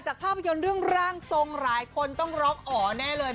ภาพยนตร์เรื่องร่างทรงหลายคนต้องร้องอ๋อแน่เลย